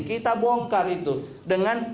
kita bongkar itu dengan